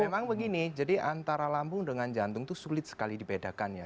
memang begini jadi antara lambung dengan jantung itu sulit sekali dibedakan ya